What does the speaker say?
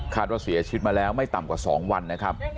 ว่าเสียชีวิตมาแล้วไม่ต่ำกว่า๒วันนะครับ